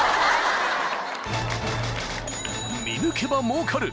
［「見抜けば儲かる！」